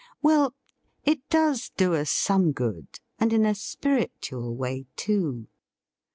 Well, it does do us some good, and in a spiritual way, too!